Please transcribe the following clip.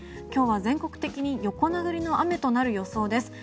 今日は全国的に横殴りの雨となる予想です。